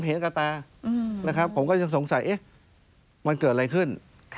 ผมเห็นกล้าตาผมก็สงสัยมันเกิดอะไรขึ้น